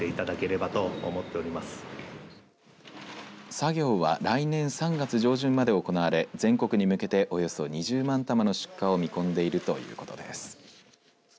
作業は、来年３月上旬まで行われ全国に向けておよそ２０万玉の出荷を見込んでいるということです。